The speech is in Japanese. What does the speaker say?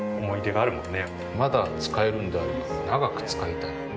まだ使えるんであれば長く使いたい。